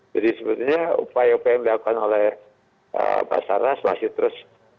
jadi sebetulnya upaya upaya yang dilakukan oleh pak sarnas masih terus